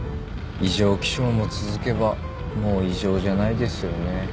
異常気象も続けばもう異常じゃないですよね。